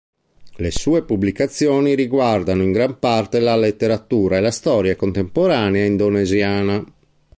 Le sue pubblicazioni riguardano in gran parte la letteratura e la storia contemporanea indonesiana.